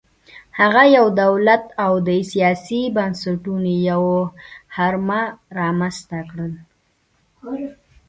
هغه یو دولت او د سیاسي بنسټونو یو هرم رامنځته کړل